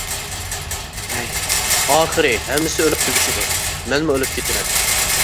ھەي، ئاخىرى ھەممىسى ئۆلۈپ تۈگىشىدۇ، مەنمۇ ئۆلۈپ كېتىمەن.